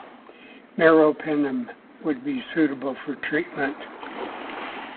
Meropenem would be suitable for treatment.